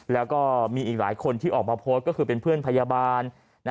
แล้วก็มีอีกหลายคนที่ออกมาโพสต์ก็คือเป็นเพื่อนพยาบาล